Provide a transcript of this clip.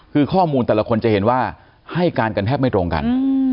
คือข้อมูลแต่ละคนจะเห็นว่าให้การกันแทบไม่ตรงกัน